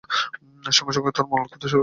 সঙ্গে সঙ্গে তারা মল খেতে শুরু করে।